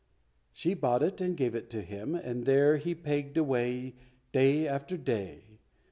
She bought it and gave it to him, and there he pegged away day after day.